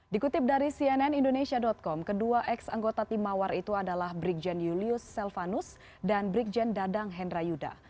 dikutip dari cnn indonesia com kedua ex anggota tim mawar itu adalah brigjen julius selvanus dan brigjen dadang hendrayuda